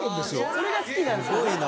それが好きなんですよね。